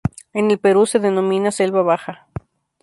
En el Perú se denomina selva baja.